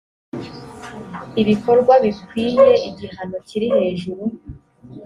bikorwa bikwiye igihano kiri hejuru